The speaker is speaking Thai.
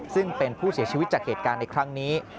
ซึ่งเป็นผู้เสียชีวิตจากเหตุการณ์ในครั้งนี้